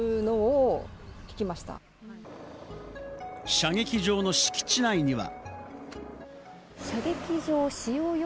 射撃場の敷地内には。